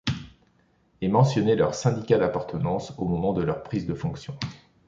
Est mentionné leur syndicat d'appartenance au moment de leur prise de fonction.